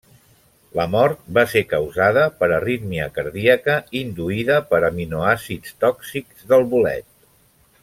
La mort va ser causada per arrítmia cardíaca induïda per aminoàcids tòxics del bolet.